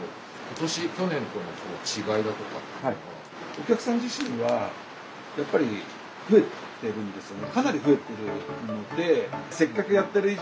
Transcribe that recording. お客さん自身はやっぱり増えてるんですよね。